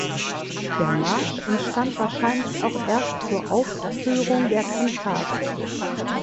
Der Marsch entstand wahrscheinlich auch erst zur Aufführung der Kantate.